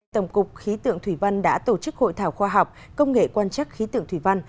tổng cục khí tượng thủy văn đã tổ chức hội thảo khoa học công nghệ quan chắc khí tượng thủy văn